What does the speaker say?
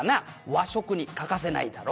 和食に欠かせないだろ」